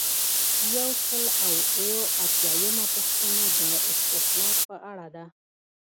یو سل او اووه اتیایمه پوښتنه د استهلاک په اړه ده.